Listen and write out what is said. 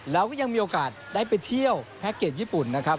แล้วก็ยังมีโอกาสได้ไปเที่ยวแพ็คเกจญี่ปุ่นนะครับ